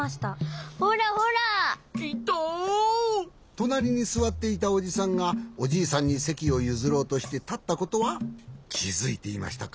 となりにすわっていたおじさんがおじいさんにせきをゆずろうとしてたったことはきづいていましたか？